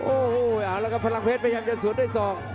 โอ้โหเอาละครับพลังเพชรพยายามจะสวนด้วยศอก